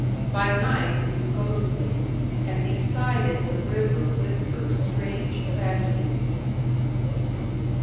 By night it is ghostly, and beside it the river whispers strange tragedies.